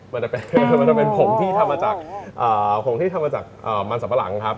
มันจะเป็นมันจะเป็นผงที่ทำมาจากผงที่ทำมาจากมันสัมปะหลังครับ